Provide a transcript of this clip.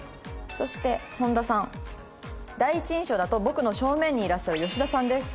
そして本田さん「第一印象だと僕の正面にいらっしゃる吉田さんです」。